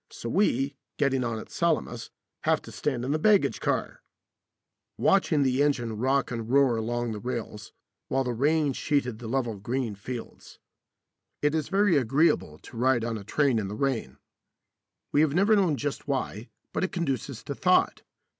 So we, getting on at Salamis, have to stand in the baggage car) watching the engine rock and roar along the rails, while the rain sheeted the level green fields. It is very agreeable to ride on a train in the rain. We have never known just why, but it conduces to thought.